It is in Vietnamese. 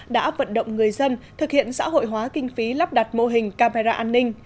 đã vận động người dân thực hiện xã hội hóa kinh phí lắp đặt mô hình camera an ninh